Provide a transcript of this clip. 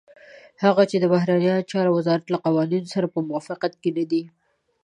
هغه چې د بهرنيو چارو وزارت له قوانينو سره په موافقت کې نه دي.